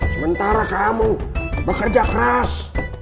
sementara kamu bekerja keras